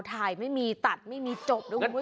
ถ่ายไม่มีตัดไม่มีจบ